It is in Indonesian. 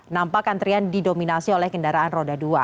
nampak antrian didominasi oleh kendaraan roda dua